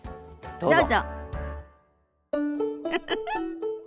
どうぞ。